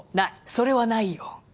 それはないよ